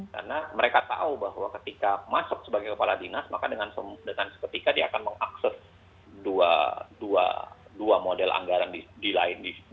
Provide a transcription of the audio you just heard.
karena mereka tahu bahwa ketika masuk sebagai kepala dinas maka dengan sebetulnya dia akan mengakses dua model anggaran di lain